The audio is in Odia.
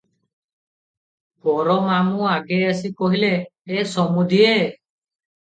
ବର ମାମୁ ଆଗେଇ ଆସି କହିଲେ, "ଏ ସମୁଧିଏ!